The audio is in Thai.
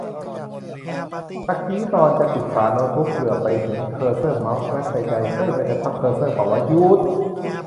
ตะกี้ตอนจะปิดฝาโน๊ตบุ๊ก เหลือบไปเห็นเคอร์เซอร์เมาส์ แว๊บในใจ เฮ้ย มันจะทับเคอร์เซอร์ป่าววะ หยู๊ดดด